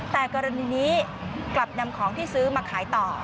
แต่กรณีนี้กลับนำของที่ซื้อมาขายต่อ